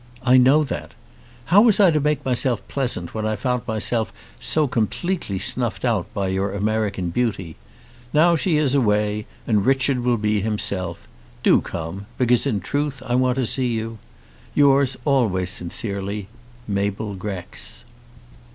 I know that. How was I to make myself pleasant when I found myself so completely snuffed out by your American beauty? Now she is away, and Richard will be himself. Do come, because in truth I want to see you. Yours always sincerely, MABEL GREX.